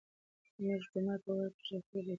مونږ جومات پۀ ورۀ کښې د خپلو بوټانو